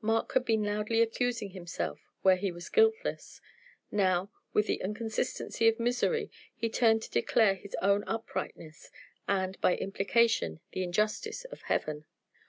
Mark had been loudly accusing himself where he was guiltless; now, with the inconsistency of misery, he turned to declare his own uprightness and, by implication, the injustice of Heaven.